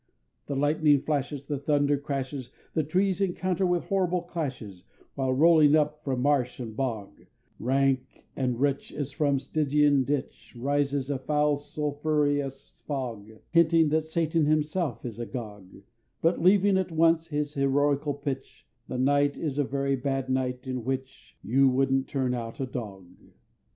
The lightning flashes, The thunder crashes, The trees encounter with horrible clashes, While rolling up from marsh and bog, Rank and rich, As from Stygian ditch, Rises a foul sulphureous fog, Hinting that Satan himself is agog, But leaving at once this heroical pitch, The night is a very bad night in which You wouldn't turn out a dog.